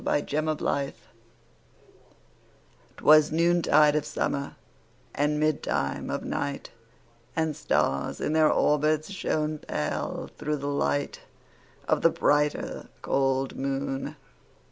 1827 Evening Star 'Twas noontide of summer, And midtime of night, And stars, in their orbits, Shone pale, through the light Of the brighter, cold moon.